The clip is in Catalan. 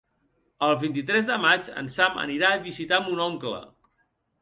El vint-i-tres de maig en Sam anirà a visitar mon oncle.